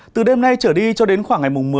từ đêm nay trở đi cho đến khoảng ngày mùng một mươi